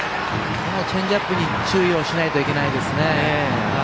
このチェンジアップに注意をしないといけないですね。